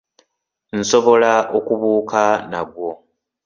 Nsobola okubuuka nagwo.